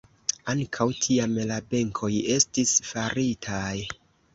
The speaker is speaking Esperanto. Ankaŭ tiam la benkoj estis faritaj.